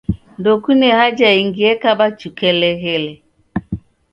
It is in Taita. Ndekune haja ingi ekaba chukeleghele.